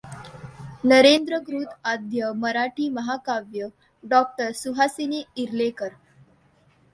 नरेंद्रकृत आद्य मराठी महाकाव्य डॉ. सुहासिनी इर्लेकर